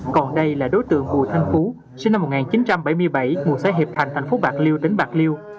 còn đây là đối tượng bùi thanh phú sinh năm một nghìn chín trăm bảy mươi bảy ngụ xã hiệp thành thành phố bạc liêu tỉnh bạc liêu